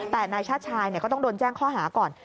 แต่นายชาติชายก็ต้องโดนแจ้งข้อหาก่อน